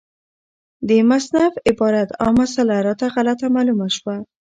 د مصنف عبارت او مسأله راته غلطه معلومه شوه،